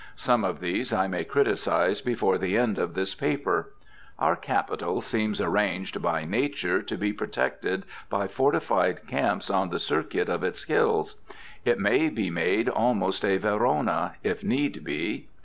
Some of these I may criticize before the end of this paper. Our capital seems arranged by Nature to be protected by fortified camps on the circuit of its hills. It may be made almost a Verona, if need be.